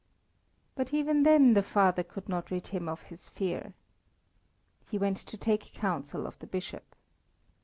But even then the father could not rid him of his fear. He went to take counsel of the Bishop.